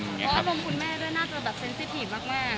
อเจมส์ออกกรมคุณแม่น่าจะเซ็นที่ปรีดมาก